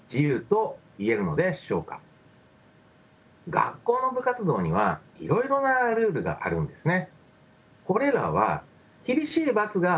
学校の部活動にはいろいろなルールがあるんですね。